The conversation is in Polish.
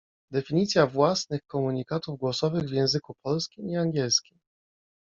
Definicja własnych komunikatów głosowych w języku polskim i angielskim.